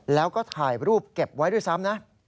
แล้วก็ถ่ายรูปเก็บไว้ด้วยซ้ำนะ